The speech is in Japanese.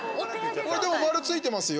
でも丸ついてますよ？